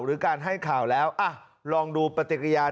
หรือการให้ข่าวแล้วลองดูปฏิกิริยา